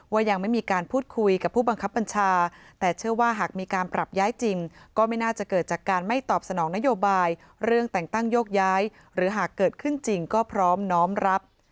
ยังไม่มีการพูดคุยกับผู้บังคับบัญชาแต่เชื่อว่าหากมีการปรับย้ายจริงก็ไม่น่าจะเกิดจากการไม่ตอบสนองนโยบายเรื่องแต่งตั้งโยกย้ายหรือหากเกิดขึ้นจริงก็พร้อมน้อมรับ